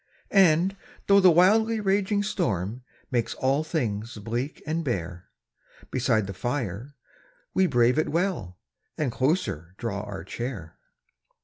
And, though the wildly raging storm Makes all things bleak and bare, Beside the fire we brave it well, And closer draw our chair.